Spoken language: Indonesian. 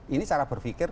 ini cara berpikir